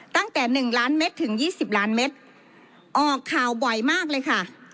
ตั้งแต่หนึ่งล้านเมตรถึงยี่สิบล้านเมตรอ๋อข่าวบ่อยมากเลยค่ะ